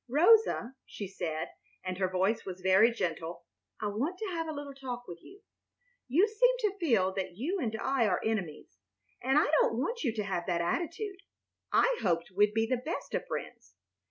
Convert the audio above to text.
"Rosa," she said, and her voice was very gentle, "I want to have a little talk with you. You seem to feel that you and I are enemies, and I don't want you to have that attitude. I hoped we'd be the best of friends.